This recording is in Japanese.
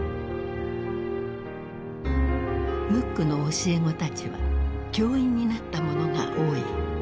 ムックの教え子たちは教員になった者が多い。